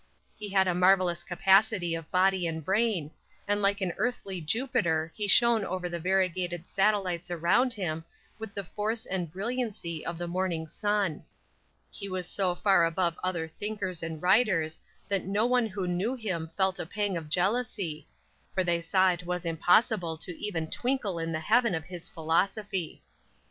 He had a marvelous capacity of body and brain, and like an earthly Jupiter he shone over the variegated satellites around him with the force and brilliancy of the morning sun. He was so far above other thinkers and writers that no one who knew him felt a pang of jealousy, for they saw it was impossible to even twinkle in the heaven of his philosophy.